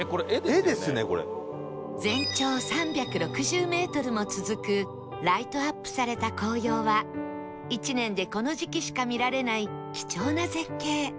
全長３６０メートルも続くライトアップされた紅葉は１年でこの時期しか見られない貴重な絶景